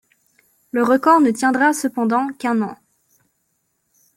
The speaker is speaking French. Le record ne tiendra cependant qu'un an.